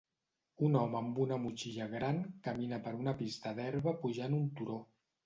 Un home amb una motxilla gran camina per una pista d'herba pujant un turó.